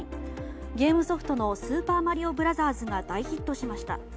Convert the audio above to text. ゲームソフトの「スーパーマリオブラザーズ」が大ヒットしました。